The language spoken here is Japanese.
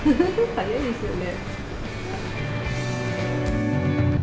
早いですよね。